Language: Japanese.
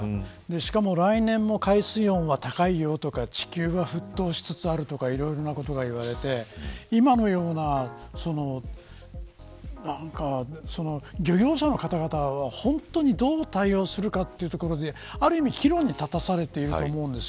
しかも来年も海水温は高いよとか地球は沸騰しつつあるとかいろいろなことがいわれて漁業者の方々はどう対応するかというところで岐路に立たされていると思うんです。